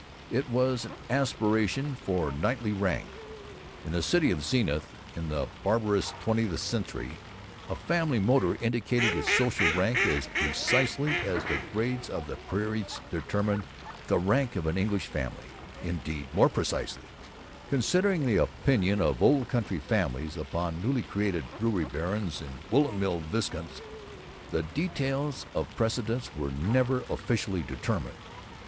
It was an aspiration for knightly rank. In the city of Zenith, in the barbarous twentieth century, a family's motor indicated its social rank as precisely as the grades of the peerage determined the rank of an English family indeed, more precisely, considering the opinion of old county families upon newly created brewery barons and woolen mill viscounts. The details of precedence were never officially determined.